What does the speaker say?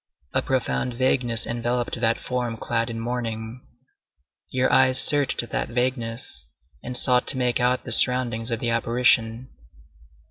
A profound vagueness enveloped that form clad in mourning. Your eyes searched that vagueness, and sought to make out the surroundings of the apparition.